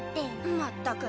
まったく。